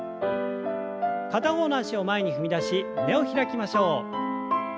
片方の脚を前に踏み出し胸を開きましょう。